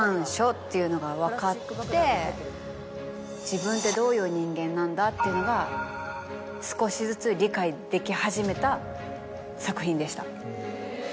自分ってどういう人間なんだっていうのが少しずつ理解でき始めた作品でした。